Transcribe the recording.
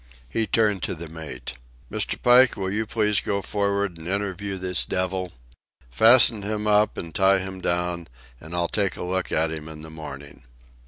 He turned to the mate. "Mr. Pike, will you please go for'ard and interview this devil? Fasten him up and tie him down and I'll take a look at him in the morning."